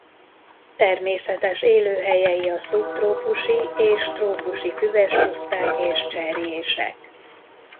Természetes élőhelyei a szubtrópusi és trópusi füves puszták és cserjések.